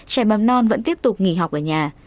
trẻ mầm non vẫn tiếp tục nghỉ học ở nhà